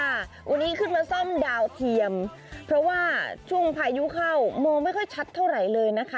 วันนี้ขึ้นมาซ่อมดาวเทียมเพราะว่าช่วงพายุเข้ามองไม่ค่อยชัดเท่าไหร่เลยนะคะ